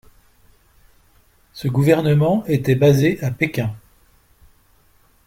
Ce gouvernement était basé à Pékin.